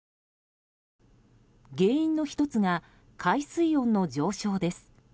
原因の１つが海水温の上昇です。